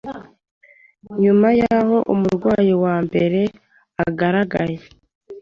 nyuma y’aho umurwayi wa mbere agaragaye